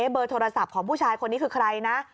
เบอร์โทรศัพท์ของผู้ชายคนนี้คือใครนะ